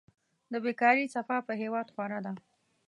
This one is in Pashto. د بيکاري څپه په هېواد خوره ده.